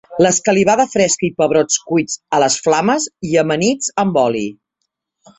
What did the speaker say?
L'escalivada fresca i pebrots cuits a les flames i amanits amb oli.